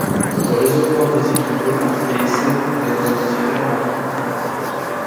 Le réseau forme des équipes volantes et essaime dans les différents maquis.